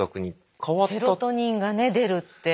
セロトニンがね出るって。